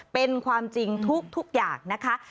เป็นความจริงทุกอย่างนะคะ